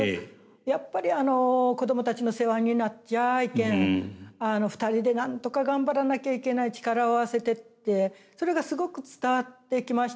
やっぱり子どもたちの世話になっちゃいけん２人でなんとか頑張らなきゃいけない力を合わせてってそれがすごく伝わってきました。